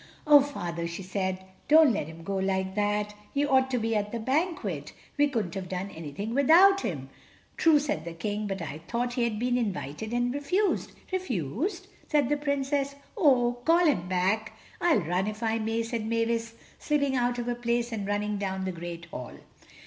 "Oh, Father," she said, "don't let him go like that. He ought to be at the banquet. We couldn't have done anything without him." "True," said the King, "but I thought he had been invited, and refused." "Refused?" said the Princess, "oh, call him back!" "I'll run if I may," said Mavis, slipping out of her place and running down the great hall.